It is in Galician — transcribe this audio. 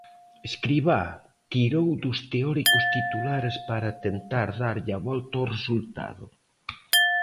Escribá tirou dos teóricos titulares para tentar darlle a volta ao resultado.